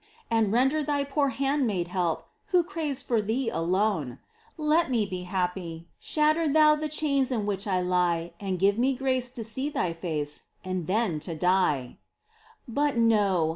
And render Thy poor handmaid help, Who craves for Thee alone ! Let me be happy : shatter Thou The chains in which I lie And give me grace to see Thy face, And then to die ! But no